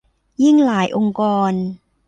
ยิ่งหลายองค์กร